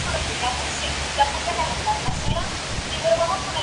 Lloyd interpretó la canción en su "I Wish Tour".